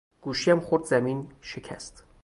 گوشیام خورد زمین شکست